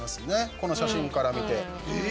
この写真から見て。